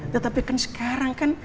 tetapi kan sekarang kan